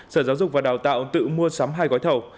sở giáo dục và đào tạo tự mua sắm hai gói thầu